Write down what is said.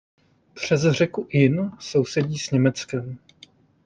Přes řeku Inn sousedí s Německem.